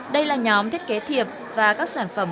đây là nhóm thiết kế thiệp và các sản phẩm